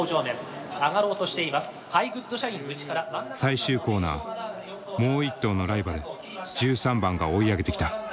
最終コーナーもう一頭のライバル１３番が追い上げてきた。